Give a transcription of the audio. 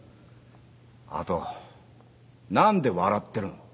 あと何で笑ってるの？